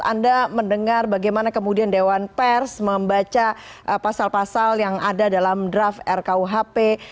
anda mendengar bagaimana kemudian dewan pers membaca pasal pasal yang ada dalam draft rkuhp